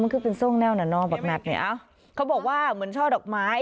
มันคือเป็นส้งแน่วนานอบักนัดเนี่ยเขาบอกว่าเหมือนช่อดอกไม้